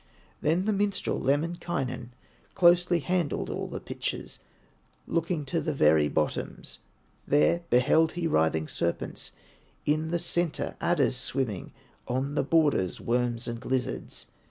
Then the minstrel, Lemminkainen, Closely handled all the pitchers, Looking to the very bottoms; There beheld he writhing serpents, In the centre adders swimming, On the borders worms and lizards.